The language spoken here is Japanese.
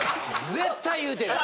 絶対言うてない！